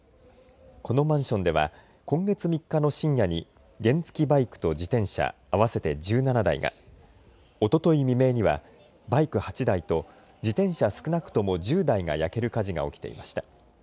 このマンションでは今月３日の深夜に原付きバイクと自転車合わせて１７台が、おととい未明にはバイク８台と自転車少なくとも１０台が焼ける火事が起きていました。